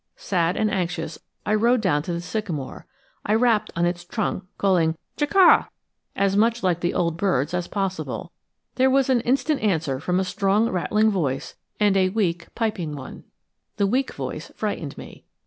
Sad and anxious, I rode down to the sycamore. I rapped on its trunk, calling chuck' ah as much like the old birds as possible. There was an instant answer from a strong rattling voice and a weak piping one. The weak voice frightened me.